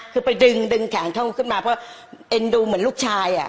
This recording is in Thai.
คือไปดึงดึงแขนเขาขึ้นมาเพราะเอ็นดูเหมือนลูกชายอ่ะ